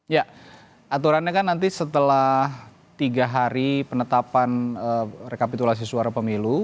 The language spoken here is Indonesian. ya aturannya kan nanti setelah tiga hari penetapan rekapitulasi suara pemilu